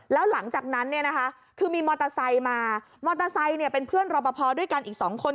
แล้วหลังจากนั้นคือมีมอเตอร์ไซมามอเตอร์ไซเป็นเพื่อนรปพอร์ด้วยกันอีกสองคน